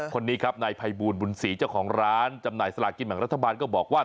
คนนี้ครับนายภัยบูลบุญศรีเจ้าของร้านจำหน่ายสลากินแบ่งรัฐบาลก็บอกว่า